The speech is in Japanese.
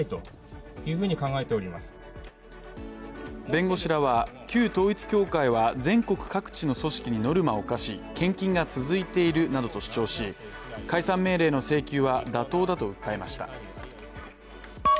弁護士らは、旧統一教会は全国各地の組織にノルマを課し献金が続いているなどと主張し解散命令の請求は妥当だと訴えました。